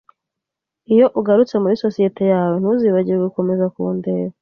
Iyo ugarutse muri sosiyete yawe, ntuzibagirwe gukomeza kundeba.